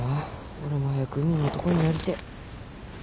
俺も早く海の男になりてえ。